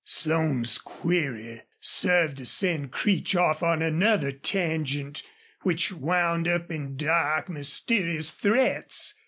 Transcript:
Slone's query served to send Creech off on another tangent which wound up in dark, mysterious threats.